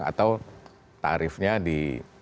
kalau tarifnya di